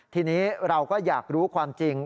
ทีนี้เราก็อยากรู้ความจริง